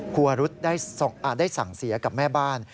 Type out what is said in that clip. ครูวรุษได้สั่งเสียกับแม่บ้าน